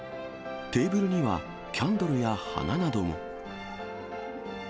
テーブルにはキャンドルや花なども。